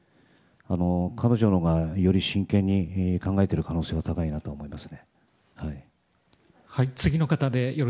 彼女のほうがより真剣に考えている可能性は高いと思います。